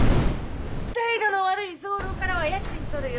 態度の悪い居候からは家賃取るよ。